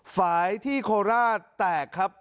ฝ่ายที่โคราชแตกครับ